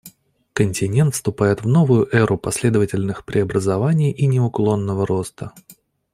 Континент вступает в новую эру последовательных преобразований и неуклонного роста.